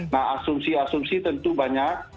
nah asumsi asumsi tentu banyak